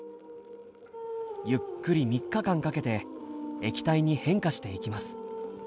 ゆっくり３日間かけて液体に変化していきます。